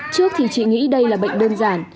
trước thì chị nghĩ đây là bệnh đơn giản